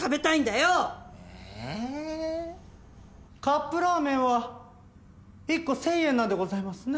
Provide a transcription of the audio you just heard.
カップラーメンは１個１０００円なんでございますね。